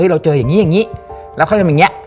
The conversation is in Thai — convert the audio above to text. เราเจออย่างนี้อย่างนี้แล้วเขาทำอย่างนี้